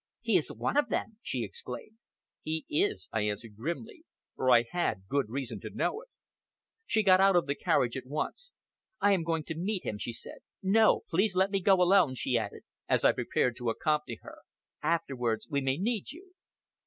"He is one of them!" she exclaimed. "He is," I answered grimly, for I had good reason to know it. She got out of the carriage at once. "I am going to meet him," she said. "No! please let me go alone," she added, as I prepared to accompany her. "Afterwards we may need you."